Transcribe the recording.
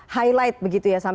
highlight begitu ya